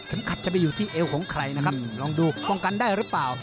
ขัดจะไปอยู่ที่เอวของใครนะครับลองดูป้องกันได้หรือเปล่า